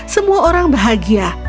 semua orang bahagia